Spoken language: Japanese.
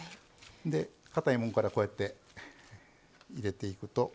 かたいもんからこうやって入れていくと。